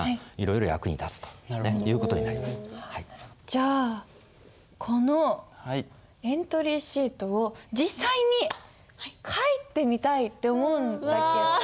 じゃあこのエントリーシートを実際に書いてみたいって思うんだけど。